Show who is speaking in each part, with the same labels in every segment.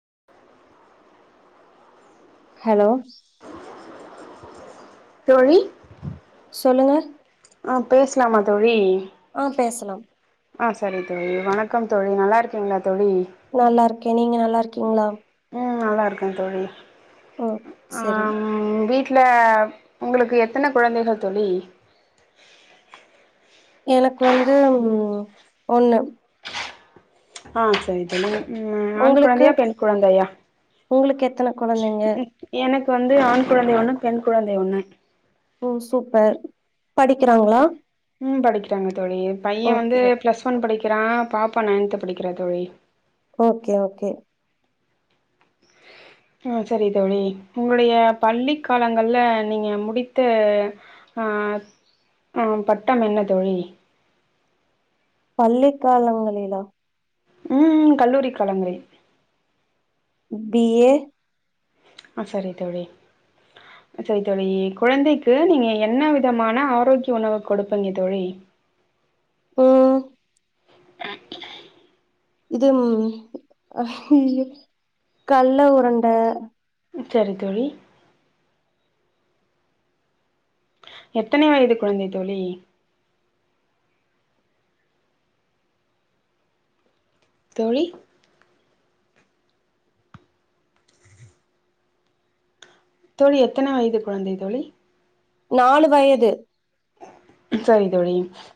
Speaker 1: [inaudible]
Speaker 2: Hello [unintelligible]
Speaker 1: தோழி
Speaker 2: சொல்லுங்க
Speaker 1: ஆ பேசலாமா தோழி
Speaker 2: ஆஹ [unintelligible] பேசலாம்
Speaker 1: ஆஹ் சரி தோழி வணக்கம் தோழி நல்லா இருக்கீங்களா தோழி
Speaker 2: நல்லா இருக்கேன் நீங்க நல்லா இருக்கீங்களா
Speaker 1: ம் நல்லா இருக்கேன் தோழி
Speaker 2: ம் சரி
Speaker 1: ஆம் வீட் இல உங்களுக்கு எத்தன குழந்தைகள் தோழி
Speaker 2: எனக்கு வந்து ம் ஒண்ணு
Speaker 1: ஆ சரி தோழி ம் ஆண்
Speaker 2: உங்களுக்கு
Speaker 1: குழந்தையா? பெண் குழந்தையா?
Speaker 2: உங்களுக்கு எத்தன கொழந்தைங்க
Speaker 1: ம் எனக் இப்ப வந்து ஆண் குழந்தை ஒண்ணு, பெண் குழந்தை ஒண்ணு.
Speaker 2: ஓ சூப்பர் படிக்கறாங்களா?
Speaker 1: ம் படிக்கறாங்க தோழி பையன் வந்து ப்ளஸ் ஒன் படிக் ஏன பாப்பா நயன்த்து படிக்கறா தோழி
Speaker 2: ஓகே ஓகே
Speaker 1: ஆ செரி தோழி உங்களுடைய பள்ளி காலங்கள்ல நீங்க முடித்த அ ஆ பட்டம் என்ன தோழி
Speaker 2: பள்ளிக் காலங்களிலா
Speaker 1: ம் ம் கல்லூரி காலங்களில்
Speaker 2: பி ஏ.
Speaker 1: அ செரி தோழி செரி தோழி குழந்தைக்கு நீங்க என்ன விதமான ஆரோக்கிய உணவு கொடுப்பீங்க தோழி
Speaker 2: ம் இது ம் கல்ல உரண்ட.
Speaker 1: செரி தோழி எத்தனை வயது குழந்தை தோழி தோழி தோழி எத்தனை வயது குழந்தை தோழி
Speaker 2: நாலு வயது
Speaker 1: சரி தோழி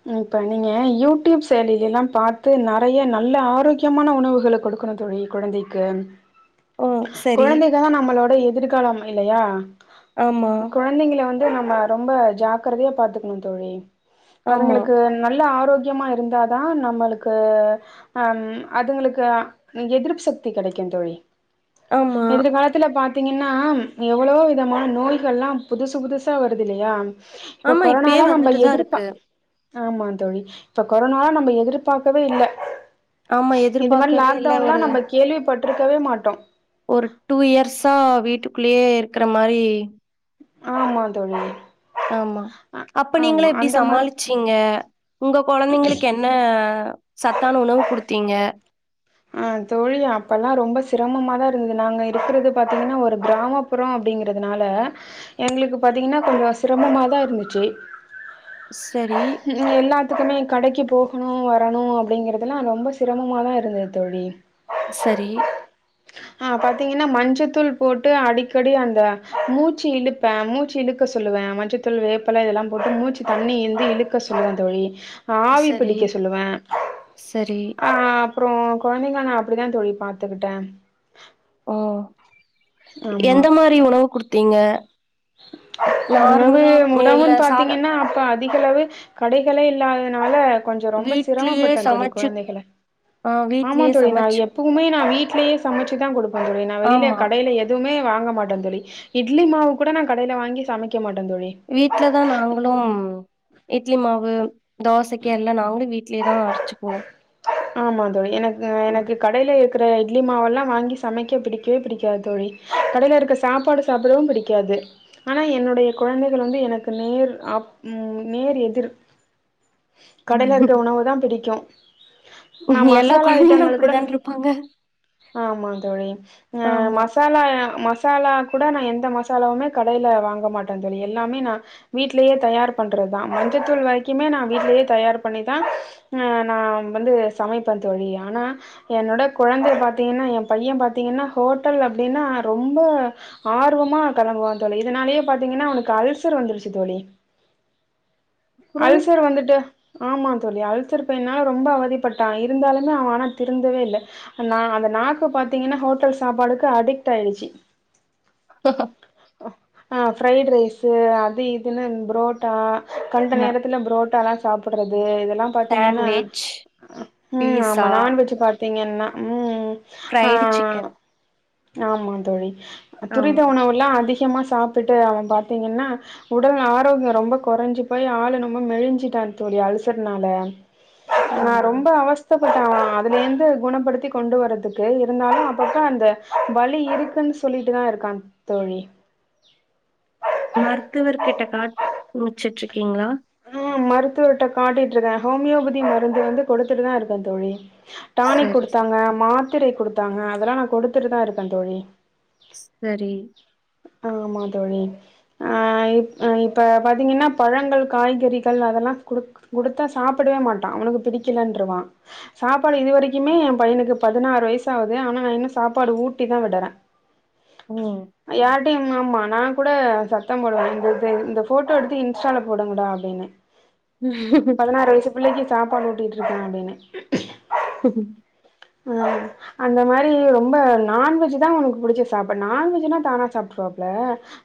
Speaker 1: ம் இப்ப நீங்க யூடியூப் செயலில எல்லா பார்த்து நறைய நல்ல ஆரோக்கியமான உணவுகள கொடுக்கணும் தோழி குழந்தைக்கு.
Speaker 2: ம் சரி
Speaker 1: குழந்தைகல நம்மளோட. இ திர்காலம் மைலயா
Speaker 2: ஆமா
Speaker 1: குழந்தைங்கள வந் து நம்ப ரொம்ப ஜாக்கிரதையா பார்த்துக் ம் தோழி
Speaker 2: ஆமா
Speaker 1: அதுங்களுக்கு நல்ல ஆரோக் முக்கியமா இருந்தாதா நம்பளுக்கு அம் அதுங்களுக்கு எதிர்ப்பு சக்தி கிடைக்கும் தோழி.
Speaker 2: ஆமா
Speaker 1: எதிர்காலத்துல பாத் திங்கன்னா எவ்ளோ விதமான நோய்கள்லா புதுசு புதுசா வருது இல்லையா இப்ப
Speaker 2: ப்பே
Speaker 1: கொரோனாலா நம்ம
Speaker 2: வந்துட்டு தா
Speaker 1: எதிர்ப்பா
Speaker 2: இருக்கு
Speaker 1: ஆமா தோழி இப்ப கொரோனா நம்ப எதிர்பாக்கவே இல்ல.
Speaker 2: ஆமா
Speaker 1: இது மாரி
Speaker 2: எதிர்பாக்கவ இல்ல
Speaker 1: லாக்டவுன்லா
Speaker 2: ஒரு
Speaker 1: நம்ம கேள்விப்பட்டிருக்கவே மாட்டோ
Speaker 2: ஒரு டூ இயர்ஸா வீட்டுக் குள்ளயே இருக்கற மாரி
Speaker 1: ஆமா தோழி
Speaker 2: ஆமா
Speaker 1: அ
Speaker 2: அப்ப நீங்கள
Speaker 1: ஆமா
Speaker 2: எப்டி
Speaker 1: அந்த மாரி
Speaker 2: சமாளிச்சீங்க உங்க கொழந்தைங்களுக்கு என்ன அ சத்தான உணவு குடுத்தீங்க?
Speaker 1: அ தோழி அப்பல்லா ரொம்ப சிரமமா தா இருந்தது நாங்க இருக்றது பாத்தீங்கன்னா ஒரு கிராமப்புறொ அப்டிங்கிறதுனால எங்ளுக்கு பாத்தீங்னா கொஞ்ச சிரமமாதா இருந்துச்சு
Speaker 2: சரி
Speaker 1: த்துக்குமே கடைக்கு போகணு வரணு அப்டிங்கிறதுலா ரொம்ப சிரமமா தா இருந்தது தோழி
Speaker 2: சரி
Speaker 1: ஆ பாத்தீங்கன்னா மஞ்சத்தூள் போட்டு அடிக்கடி அந்த மூச்சு இழுப்பே மூச்சு இழுக்க சொல்லுவே மஞ்சத்தூள் வேப்பல இதெல்லா போட்டு மூச்சு தண்ணி இந்து இழுக்க சொல்வே தோழி ஆவி
Speaker 2: சரி,
Speaker 1: பிடிக்க சொல்லுவே
Speaker 2: சரி.
Speaker 1: ஆ அப்றோ கொழந்தைங்கள நா அப்டிதா தோழி பாத்துக்கிட்டே
Speaker 2: ஓ
Speaker 1: ஆமா
Speaker 2: எந்த மாரி உணவு குடுத் த்தீங்க
Speaker 1: உணவு
Speaker 2: இல்ல
Speaker 1: உணவுன்
Speaker 2: சாதா
Speaker 1: பாத்தீங்கனா அப்ப அ திகளவு கடைகளே இல்லாதனால கொஞ்சொ ரொம்ப
Speaker 2: வீட்லயே
Speaker 1: சிரமப்பட்டே தோழி
Speaker 2: சமைச்சு
Speaker 1: குழந்தைகள
Speaker 2: ஆ
Speaker 1: ஆமா
Speaker 2: வீட்லயே
Speaker 1: தோழி நா
Speaker 2: சமைச்சு
Speaker 1: எப்பவுமே நா வீட் வீட்லயே சமச்சு தா குடு ப்ப தோழி வெளில
Speaker 2: ஆமா.
Speaker 1: கடைல எதுவ்மே வாங்க மாட்டந் தோழி இட்லி மாவு கூட நா கடைல வாங்கி சமைக்க மாட்
Speaker 2: வீட்லதா நாங்களும் இட்லி மாவு தோசக்கி எல்லா நாங்களு வீட் லயெ தா அரச்சுக்குவோ
Speaker 1: ஆமா தோழி எனக் அ எனக்கு கடைல இரு க்குற இட்லி மாவெல்லா வாங்கி சமைக்க பிடிக்கவே பிடிக்காது தோழி கடைல இருக்க சாப்பாடு சாப்பிடவும் பிடிக்காது ஆனா என்னுடைய குழந்தைகள் வந்து எனக்கு நேர் ஆப் ம் நேர் எதிர் கடைல
Speaker 2: ம்.
Speaker 1: இருக்க உணவு தா பிடிக்கு நா
Speaker 2: எல்லா
Speaker 1: மசாலா
Speaker 2: கொழந்தைங்களு
Speaker 1: ஐட்டங்கள கூட ந
Speaker 2: அப்டிதான் இருப்பாங்க
Speaker 1: ஆமா தோழி அ
Speaker 2: ஆமா
Speaker 1: மசாலா ம சாலா கூட நா எந்த மசாலாவுமே கடைல வாங்க மாட்டந்தோழி எல்லாமே நா வீட்லயே தயார் பண்ற தா மஞ்சத்தூள் வரைக்குமே நா வீட்லயே தயார் பண்ணி தா அ நா வந்து சமைப்ப தோழி ஆனா என்னோட குழந்தை பாத்தீங்கன்னா எ பைய பாத்தீங்கன்னா ஹோட்டல் அப்டின்னா ரொம்ப ஆர்வமா கெளம்புவா தோழி இதனாலயே பாத்தீங்கன்னா அவனுக்கு அல்சர் வந்துருச்சு தோழி
Speaker 2: அப்றோ
Speaker 1: அல்சர் வந்துட்டு ஆமா தோழி அல்சர் பெய்னால ரொம்ப அவ திபட்டா இருந்தாலுமே அவ ஆனா திருந்தவே இல்ல அ நா அந்த நாக்கு பாத்தீங்கன்னா ஹோட்டல் சாப்பாடுக்கு அடிக்ட் ஆயிடுச்சி
Speaker 2: ஹ
Speaker 1: அ ஃப்ரைட் ரைஸு அது இதுன்னு ப்ரோட்டா கண்ட நேரத்துல ப்ரோட்டால சாப்பறது இது
Speaker 2: டேண்வெச்
Speaker 1: ம் ஆமா நான்வெஜ் பாத் தீங்கன்னா ம் ஆ
Speaker 2: ஃப்ரைடு சிக்கன்
Speaker 1: ஆமா தோழி துரித
Speaker 2: ஆமா
Speaker 1: உணவுல்லாம் அதி க்கியமா சாப்ட்டுட்டு அவ பாத்தீங்கன்னா உடல் ஆரோக்கிய ரொம்ப குறைஞ்சு போய் ஆளு ரொம்ப மெழிஞ்சுட்டா தோழி அல்சர்னால நா
Speaker 2: ஐயோ
Speaker 1: ரொம்ப அவஸ்தப் பட்ட அதுல இருந்து குணப்படுத்தி கொண்டு வரறதுக்கு இருந்தாலு அப்பப்ப அந்த வலி இருக்குன் சொல்லிட்டுதா இருக்கா தோழி
Speaker 2: மருத்துவர் கிட்ட காட் முச்சுட்ரிக்கீங்ளா
Speaker 1: ஆ மருத்துவர்ட காட்டிட்டுருக்கே ஹோமியோபதி மருந்து வந்து கொடுத்துட்டுதா இருக்க தோழி டாணிக்
Speaker 2: சரி ச
Speaker 1: கொடுத்தாங்க மாத் த்திரை கொடுத்தாங்க அதெல்லா நா கொடுத்துட்டு தா இருக்க தோழி
Speaker 2: சரி
Speaker 1: ஆமா தோழி ஆ அ இப்ப பாத்தீங்கன்னா பழங்கள் காய்கறிகள் அதெல்லா குடுத் குடுத்தா சாப்படவே மாட்டா அவனுக்கு பிடிக்கலன்ருவா சாப்பாடு இது வரைக்குமே எ பையனுக்கு பதினாறு வயசு ஆகுது ஆனா நா இன்னு சாப்பாடு ஊட்டிதா விடுறே
Speaker 2: ம்
Speaker 1: யார்டியமாம்மா நா கூட சத்தம் போடுவே இந்த இந்த போட்டோ எடுத்து இன்ஸ்டால போடுனுங்டா அப்டின்னு
Speaker 2: [unintelligible]
Speaker 1: புள்ளைக்கு சாப்பாடு ஊட்டிட்டு இருக்கே அப்டின்னு
Speaker 2: ஹ [inaudible]
Speaker 1: அ அந்த மாரி ரொம்ப நான்வெஜ் தா உனக்கு புடிச்ச சாப்படு நான்வெஜ்னா தானா சாப்ட்ருவாப்ல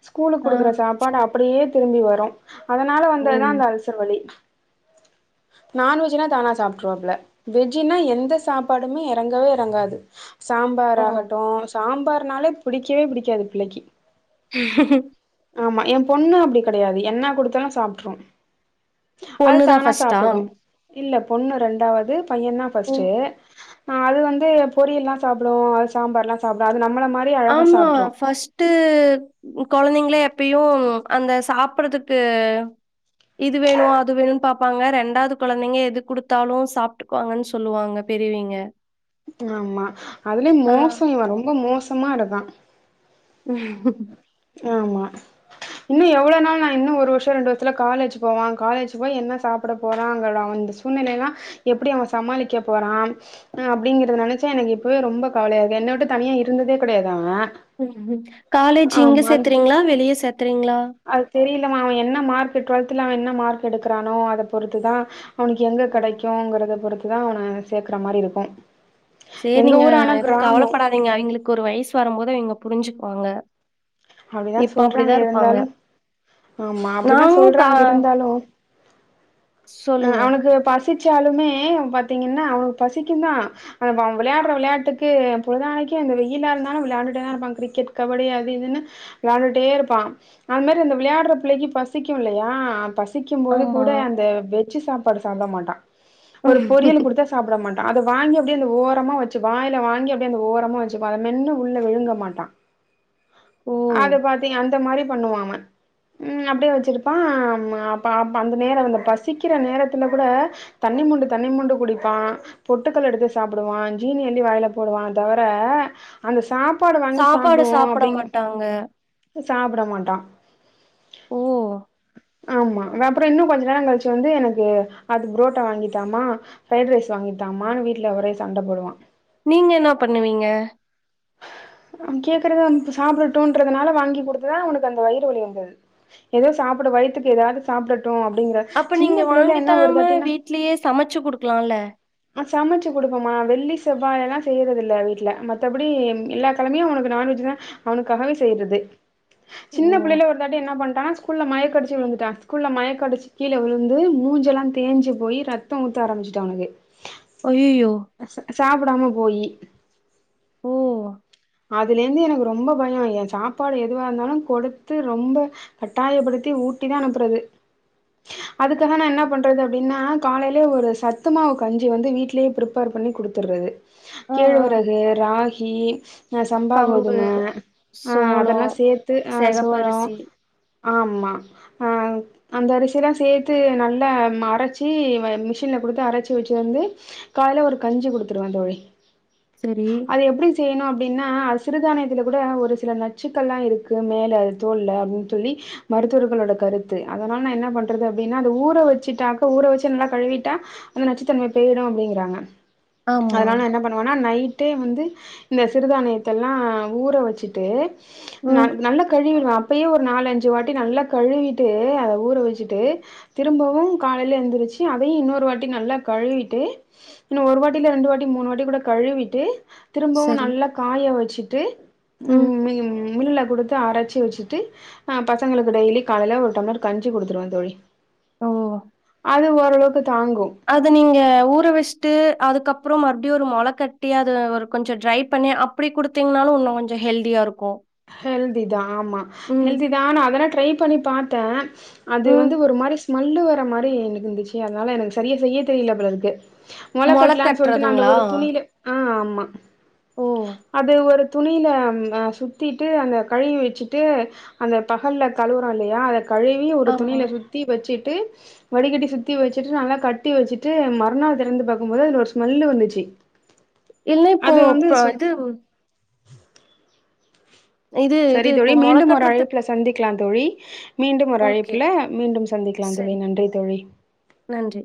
Speaker 1: ஸ்கூலு
Speaker 2: ஆ
Speaker 1: குடுக்குற சாப்பாடு அப்டியே திரும்பி வரு அதனால
Speaker 2: ஓ
Speaker 1: வந்ததுதா அந்த அல்சர் வலி நான்வெஜ்னா தானா சாப்ட்ருவாப்ல வெஜ்னா எந்த சாப் படமே இறங்கவே இறங்காது
Speaker 2: ஓ
Speaker 1: சாம்பாராகட்டு சாம் பாருனாலே பிடிக்கவே பிடிக்காது பிள்ளைக்கு
Speaker 2: [inaudible]
Speaker 1: ஆமா எ பொண்ணு அப்டி கெடையாது என்ன குடுத்தாலு சாப்ட்ரு அது
Speaker 2: பொண்ணுதா
Speaker 1: தானா
Speaker 2: ஃபஸ்ட்டா
Speaker 1: சாப்டுடும் இல்ல பொண்ணு ரெண்டாவது பையந்தா
Speaker 2: ஓ
Speaker 1: ஃபஸ்ட்டு ஆ அது வந்து பொரியல்லா சாப்டு அது சாம்பார்லா சாப்டா
Speaker 2: ஆமா ஃபஸ்ட்டு ம் கொழந்தைங்களே எப்பயு அந்த சாப்படறதுக்கு இது வேணு அது வேணுன்னு பாப்பாங்க ரெண்டாவது கொழந்தைங்க எது குடுத்தாலு சாப்ட்டுக்குவாங்கன்னு சொல்லுவாங்க பெரியவிங்க
Speaker 1: ஆமா அதுலயு மோசங்க இவ ரொம்ப மோ சமா இருக்கா
Speaker 2: [unintelligible]
Speaker 1: ஆமா இன்னு எவ்ளோ நாள் நா இன்னு ஒரு வருஷோ ரெண்டு வருஷத்தில காலேஜ் போவா காலேஜ் போய் என்ன சாப்பட போறாங்கற அவ அந்த சூழ்நிலையெல்லா எப்படி அவ சமாளிக்க போறா ஆ அப்டிங்கறத நெனச்சா எனக்கு இப்பவே ரொம்ப கவலையா இருக்கு என்ன விட்டு தனியா இருந்ததே கெடையாது அவ
Speaker 2: காலே ஜு இங்க
Speaker 1: ஆமா அந்த
Speaker 2: சேத்தறீங்களா வெளிய சேத்தறீங்களா
Speaker 1: அது தெ ரியலமா அவ என்ன மார்க் டுவல்த்துல அவ என்ன மார்க் எடுக்குறானோ அத பொறுத்துதா அவனுக்கு எங்க
Speaker 2: ஓ!
Speaker 1: கெடைக்குங்குறத பொறுத் துதா அவன சேக்குற மாரி இருக்கும்
Speaker 2: சேரிங்க எதுவு கவலப்படாதீங்க அவிங்களுக்கு ஒரு வயசு வரும்போது அவிங்க புரிஞ்சுக்குவாங்க
Speaker 1: அப்டிதா
Speaker 2: இப்ப
Speaker 1: சொல்றாங்க
Speaker 2: அப்படிதான் இருப்பாங்க.
Speaker 1: இருந்தாலு ஆமா அப்பிடிதா
Speaker 2: நானும் கா
Speaker 1: சொல்றாங்க இருந்தாலு ஆ
Speaker 2: சொல்லுங்க.
Speaker 1: அவனுக்கு பசி ச்சாலுமே அவ பாத்தீங்கனா அவனுக்கு பசிக்குந்தா அவ பா விளையாடுற விளையாட்டுக்கு பொழுதான்னைக்கி இந்த வெயிலா இருந்தாலு விளையாண்டுட்டேதா இருப்பா கிரிக்கெட் கபடி அது இதுன்னு விளையாண்டுட்டே இருப்பா அவன மாரி இந்த விளையாடுற புள்ளைக்கி பசிக்கு இல்லையா பசி க்கும்போது
Speaker 2: ஆமா.
Speaker 1: கூட அந்த வெஜ் ஜு சாப்பாடு சாப்ட மாட்டா ஒரு பொரியலு குடுத்தா சாப்ட மாட் ட்டா அத வாங்கி அப்டியே இந்த ஓரமா வெச்சு வாயில வாங்கி அப்டியே அந்த ஓரமா வெச்சுப்பா அத மென்னு உள்ள விழுங்க மாட்டா
Speaker 2: ஓ!
Speaker 1: அது பாத்தீங்க அந்த மாரி பண்ணுவா அவ ம் அப்பிடியே வச்சிருப்பா ம அப்ப அப்ப அந்த நேர அந்த பசிக்கிற நேரத்துல கூட தண்ணி மொண்டு தண்ணி மொண்டு குடிப்பா பொட்டுக்கல்ல எடுத்து சாப்புடுவா ஜீனி அள்ளி வாயில போடுவானே தவிர அந்த சா
Speaker 2: சாப்பாடு சாப்பட மாட்டாங்க
Speaker 1: அ சாப்ட மாட்டா
Speaker 2: ஓ
Speaker 1: ஆமா ஆ அப்புற இன்னு கொஞ்ச நேரோங் கழிச்சு வந்து எனக்கு அது புரோட்டா வாங்கித்தாம்மா ஃபிரைட் ரைஸ் வாங்கித்தாம்மான்னு வீட்ல ஒரே சண்ட போடுவா
Speaker 2: நீங்க என்னா பண்ணுவீங்க?
Speaker 1: அவ கேக்குறத வந்து சாப்படட்டுன்றதுனால வாங்கி குடுத்துதா அவனுக்கு அந்த வயிறு வலி வந்துது எதயோ சாப்பட வயித்துக்கு எதையாது சாப்டட்
Speaker 2: அப்ப நீங்க வாங்கித் தராம
Speaker 1: தாட்டினா
Speaker 2: வீட்லயே சமச்சு குடுக்கலால்ல?
Speaker 1: ஆ சமைச்சு குடுப்பம்மா வெள்ளி செவ்வாய் ஆனா செய்யறது இல்ல வீட்ல மத்த படி எல்லா கெழமையு அவனுக்கு நான்வெஜ்தா அவனுக்காகவே செய்யறது
Speaker 2: ஓ!
Speaker 1: சின்னப் பிள்ளைல ஒருதாட்டி என்ன பண்ட்டான்னா ஸ்கூல்ல மயக்கோ அடிச்சி விழுந்துட்டா ஸ்கூல்ல மயக்கோ அடிச்சு கீழ விழுந்து மூஞ்செல்லா தேஞ்சி போயி ரத்தோ ஊத்த ஆரம்பிச்சிட்டு அவனுக்கு
Speaker 2: ஐயயோ
Speaker 1: சாப்டாம போயி
Speaker 2: ஓ!
Speaker 1: அதுலந்து எனக்கு ரொம்ப பயம் என் சாப்பாடு எதுவா இருந்தாலும் கொடுத்து ரொம்ப கட்டாயப்படுத்தி ஊட்டிதா அனுப்பறது. அதுக்குன நா என்ன பண்றது அப்டின்னா. காலையல ஒரு சத்துமாவு கஞ்சி வந்து வீட்லேயே பிர்ப்பேர் பண்ணி குடுத்துறது.
Speaker 2: ஆ ஆ
Speaker 1: கேழ்வரகு ராகி அ சம்பா
Speaker 2: கம்பு
Speaker 1: கோதும ஆஹ அதெல்லா
Speaker 2: சோளம்
Speaker 1: சேத்து சோளம்
Speaker 2: சிகப்பரிசி
Speaker 1: ஆமா அந் அந்த அரிசி எல்லா சேர்த்து நல்லா மா அரைச்சி மிஷின்ல கொடுத்து அரைச்சி வச்சு வந்து கால்ல ஒரு கஞ்சி குடுத்துருவே தோழி.
Speaker 2: சரி
Speaker 1: அது எப்டி செய்யணு அப் அப்டின்னா சிறுதான்யத்துல கூட ஒரு சில நச்சுக்கள் எல்லா இருக்கு மேல தோல்ல அப்டின் சொல்லி மருத்துவர்களோட கருத்து அதனால நா என்ன பண்றது அப்படின்னா அது ஊற வச்சிட்டாக்க ஊற வச்சி நல்லா கழுவிட்டா அந்த நச்சுத்தன்மை போயிரும் அப்டிங்கறாங்க.
Speaker 2: ஆமா
Speaker 1: அதனால நா என்ன பண்வனா நைட் டே வந்து இந்த ஸ் சிறுதானியத்தெல்லா ஊற வச்சுட்டு. ந
Speaker 2: ம்
Speaker 1: நல்லா கழிடவே அப்பயே ஒரு நால் அஞ்சு வாட்டி நல்லா கழுவிட்டு அத ஊற வச்சுட்டு திரும்பவும் காலையல எழுந்திருச்சு அதையும் இன்னொரு வாட்டி நல்லா கழுவிட்டு இன்னும் ஒரு வாட்டில ரெண்டு வாட்டி மூணு வாட்டி கூட கழுவிட்டு. திரும்பவும்
Speaker 2: சரி
Speaker 1: நல்லா ய வச்சுட்டு
Speaker 2: ம்
Speaker 1: ம்ம்ம்ம்.... மில்லுல குடுத்து அரச்சி வச்சுட்டு அ பசங்களுக்கு டெய்லி காலையல ஒரு டம்ளர் கஞ்சி குடுத்துருவே தோழி
Speaker 2: ஓஓஓ
Speaker 1: அது ஓரளவுக்கு தாங்கு
Speaker 2: அத நீங்க ஊற வெஷ்ட்டு அதுக்கப் அப்புறம் மறுபடியம் ஒரு மொல கட்டி அத ஒரு கொஞ்ச ட்ரை பண்ணி அப்படி குடுத்தீங்கனாலும் இன்னும் கொஞ்சம் ஹெல்தியா இருக்கும்.
Speaker 1: ஹெல்திதா. ஆமா
Speaker 2: ம்
Speaker 1: ஹெல்திதா நா அதல்ல ட்ரை பண்ணி பாத்த அது
Speaker 2: ம்
Speaker 1: வந்து ஒரு மாரி ஸ். ஸ்மல்லு வரா மாரி எனக்கு இருந்துச்சு அதனால எனக் செரியா செய்ய தெரில போலருக்கு. மொல
Speaker 2: மொள
Speaker 1: கட்லான் சொல்ட்டு நா அந்த
Speaker 2: கட்டுறதுங்களா
Speaker 1: ஒரு துணியல ஆ ஆம் ம
Speaker 2: ஓ
Speaker 1: அது ஒரு துணியல ம் அ சுத் சுத்திட்டு அந்த கழுவி வச்சுட்டு அந்த பகல்ல கழுவற இல்லையா அத கழுவி ஒரு
Speaker 2: ஆமா
Speaker 1: துணியல சுத்தி வச்சி ட்டு வடிகட்டி சுத்தி வச்சிட்டு நல்லா கட்டி வச்சிட்டு ம் மறுநாள் திறந்து பாக்கும்போது அதுல ஒரு ஸ்மெல்லு வந்துச்சி.
Speaker 2: இல்ல இப்போ அப்ப இதுவ் இது
Speaker 1: சரி
Speaker 2: இது
Speaker 1: தோழி
Speaker 2: இப்போ மொள
Speaker 1: மீண்டும் ஒரு
Speaker 2: கட்டுறதுக்கு
Speaker 1: அழைப்புல சந்திக் க்கல தோழி மீண்டும் ஒரு
Speaker 2: ஓகே
Speaker 1: அழைப்புல மீண்டும் சந்திக்கலாங் தோழி
Speaker 2: சரி
Speaker 1: நன்றி தோழி
Speaker 2: நன்றி